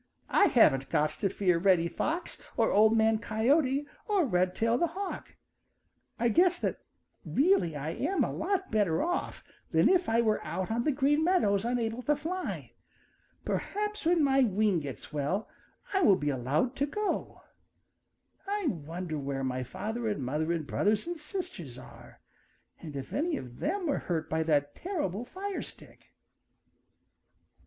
I haven't got to fear Reddy Fox or Old Man Coyote or Redtail the Hawk. I guess that really I am a lot better off than if I were out on the Green Meadows unable to fly. Perhaps, when my wing gets well, I will be allowed to go. I wonder where my father and mother and brothers and sisters are and if any of them were hurt by that terrible fire stick."